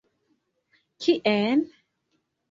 Kien?